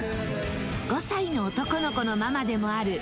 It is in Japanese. ５歳の男の子のママでもある女優